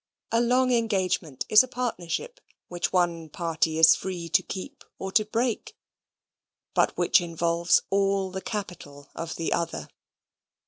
A long engagement is a partnership which one party is free to keep or to break, but which involves all the capital of the other.